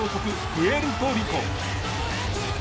プエルトリコ。